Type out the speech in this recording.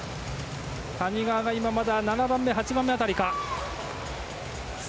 谷川がまだ７番目、８番目辺りか。